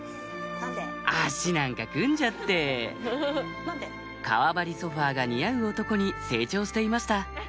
足なんか組んじゃって革張りソファが似合う男に成長していました